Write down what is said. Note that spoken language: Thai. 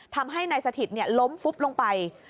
ทำให้นายสถิตล้มฟุบลงไป